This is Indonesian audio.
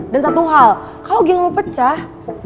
dan satu hal kalo geng lo pecah